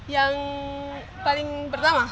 yang paling pertama